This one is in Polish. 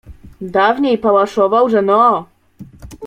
Dawniej pałaszował, że no.